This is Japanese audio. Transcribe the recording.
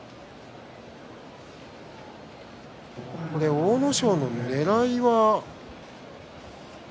阿武咲のねらいは。